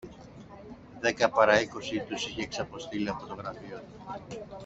Δέκα πάρα είκοσι τους είχε ξαποστείλει από το γραφείο του